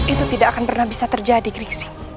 itu tidak akan pernah bisa terjadi krisi